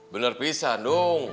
benar bisa dong